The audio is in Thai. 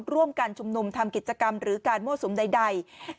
ร่วมกันชุมนุมทำกิจกรรมหรือการมั่วสุมใด